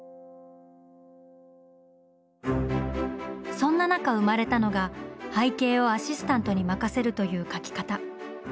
そんな中生まれたのが背景をアシスタントに任せるという描き方。